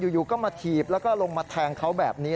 อยู่ก็มาถีบแล้วก็ลงมาแทงเขาแบบนี้